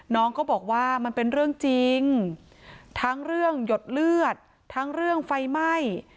น้องก็บอกว่ามันเป็นเรื่องจริงทั้งเรื่องหยดเลือดทั้งเรื่องไฟไหม้